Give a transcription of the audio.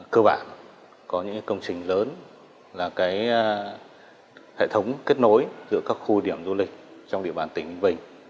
cơ bản có những công trình lớn là hệ thống kết nối giữa các khu điểm du lịch trong địa bàn tỉnh ninh bình